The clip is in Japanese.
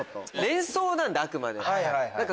連想なんであくまで。